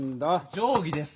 定ぎです。